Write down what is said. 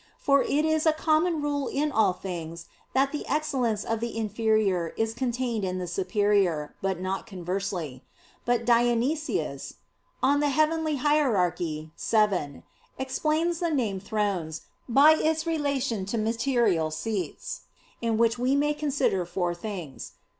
For it is a common rule in all things that the excellence of the inferior is contained in the superior, but not conversely. But Dionysius (Coel. Hier. vii) explains the name "Thrones" by its relation to material seats, in which we may consider four things.